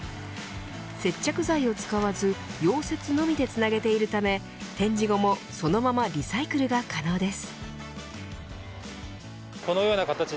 接着剤を使わず溶接のみでつなげているため展示後もそのままリサイクルが可能です。